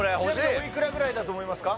おいくらぐらいだと思いますか？